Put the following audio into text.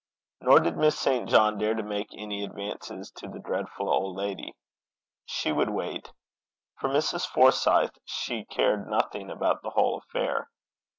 Nor did Miss St. John dare to make any advances to the dreadful old lady. She would wait. For Mrs. Forsyth, she cared nothing about the whole affair.